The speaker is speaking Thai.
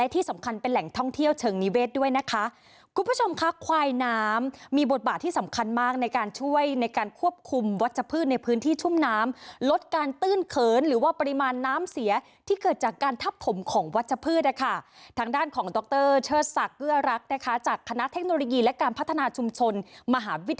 ที่สำคัญเป็นแหล่งท่องเที่ยวเชิงนิเวศด้วยนะคะคุณผู้ชมค่ะควายน้ำมีบทบาทที่สำคัญมากในการช่วยในการควบคุมวัชพืชในพื้นที่ชุ่มน้ำลดการตื้นเขินหรือว่าปริมาณน้ำเสียที่เกิดจากการทับถมของวัชพืชนะคะทางด้านของดรเชิดศักดิ์เอื้อรักนะคะจากคณะเทคโนโลยีและการพัฒนาชุมชนมหาวิทยา